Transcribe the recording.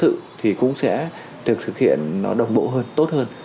thực thì cũng sẽ được thực hiện nó đồng bộ hơn tốt hơn